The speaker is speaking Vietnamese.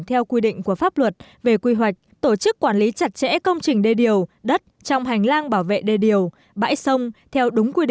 theo quy định của pháp luật về quy hoạch tổ chức quản lý chặt chẽ công trình đê điều